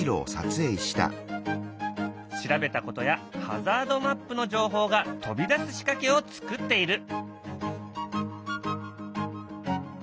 調べたことやハザードマップの情報が飛び出す仕掛けを作っている。